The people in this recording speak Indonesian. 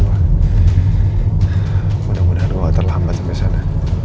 mudah mudahan terlambat sampai sana